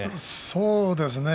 そうですね。